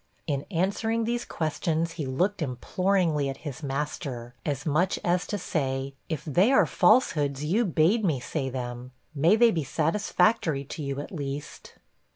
In answering these questions, he looked imploringly at his master, as much as to say, 'If they are falsehoods, you bade me say them; may they be satisfactory to you, at least.'